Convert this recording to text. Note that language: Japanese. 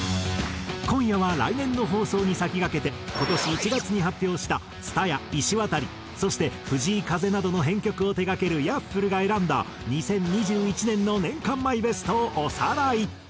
今夜は来年の放送に先駆けて今年１月に発表した蔦谷いしわたりそして藤井風などの編曲を手がけるＹａｆｆｌｅが選んだ２０２１年の年間マイベストをおさらい！